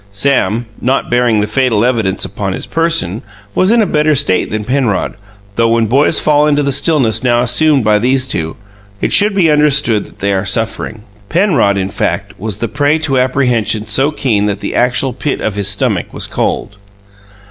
Sam, not bearing the fatal evidence upon his person, was in a better state than Penrod, though when boys fall into the stillness now assumed by these two, it should be understood that they are suffering. Penrod, in fact, was the prey to apprehension so keen that the actual pit of his stomach was cold.